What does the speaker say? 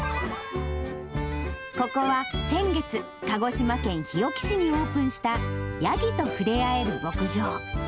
ここは先月、鹿児島県日置市にオープンした、ヤギとふれあえる牧場。